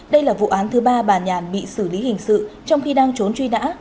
đây là vụ án thứ ba bà nhàn bị xử lý hình sự trong khi đang trốn truy nã